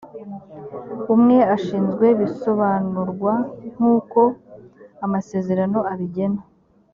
umwe ashinzwe bisobanurwa nk uko amasezerano ibigena